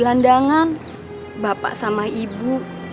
kayaknya kayak banget tembak